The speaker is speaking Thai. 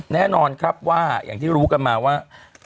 แน่นอนครับว่าอย่างที่รู้กันมาว่า